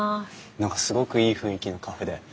何かすごくいい雰囲気のカフェで。